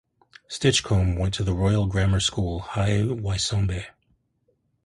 Stinchcombe went to the Royal Grammar School, High Wycombe.